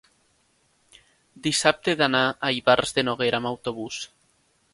dissabte he d'anar a Ivars de Noguera amb autobús.